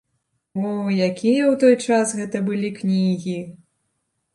О, якія ў той час гэта былі кнігі!